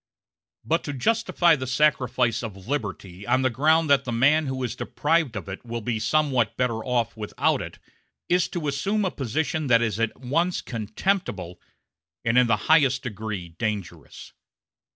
But to justify the sacrifice of liberty on the ground that the man who is deprived of it will be somewhat better off without it is to assume a position that is at once contemptible and in the highest degree dangerous.